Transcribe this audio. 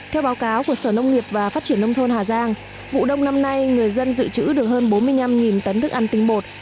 theo báo cáo của sở nông nghiệp và phát triển nông thôn hà giang vụ đông năm nay người dân dự trữ được hơn bốn mươi năm tấn thức ăn tinh bột